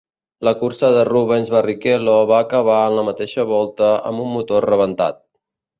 La cursa de Rubens Barrichello va acabar en la mateixa volta amb un motor rebentat.